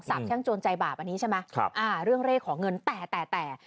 สาบแช่งโจรใจบาปอันนี้ใช่ไหมเรื่องเรขอเงินแต่